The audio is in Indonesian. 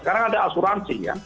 sekarang ada asuransi ya